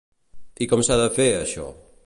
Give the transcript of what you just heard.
I com s'ha de fer, això?